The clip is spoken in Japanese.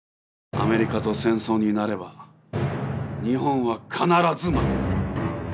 アメリカと戦争になれば日本は必ず負ける。